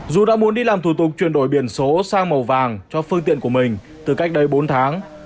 dù đã muốn đi làm thủ tục chuyển đổi biển số sang màu vàng cho phương tiện của mình từ cách đây bốn tháng